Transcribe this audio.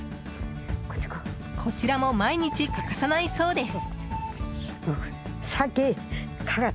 こちらも毎日欠かさないそうです。